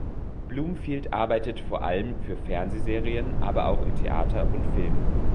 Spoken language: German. Bloomfield arbeitet vor allem für Fernsehserien, aber auch im Theater und Film.